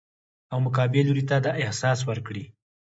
او مقابل لوري ته دا احساس ورکړي